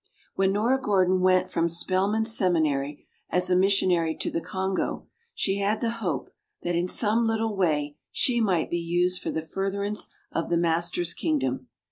When Nora Gordon went from Spelman Seminary as a missionary to the Congo, she had the hope that in some little way she might be used for the furtherance of the Master's kingdom.